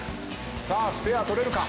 さあスペア取れるか？